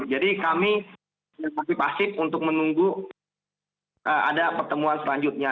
jadi kami masih pasif untuk menunggu ada pertemuan selanjutnya